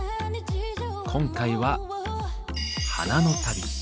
今回は「花の旅」。